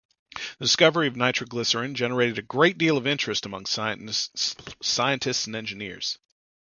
The discovery of nitroglycerin generated a great deal of interest among scientists and engineers.